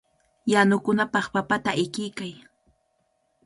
Yanukunapaq papata ikiykay.